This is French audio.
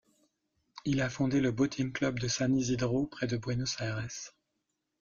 Il a fondé le Boating Club de San Isidro près de Buenos Aires.